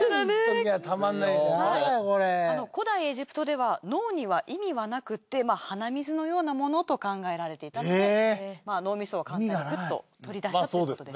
古代エジプトでは脳には意味はなくて鼻水のようなものと考えられていたため脳みそを簡単にグッと取り出したと。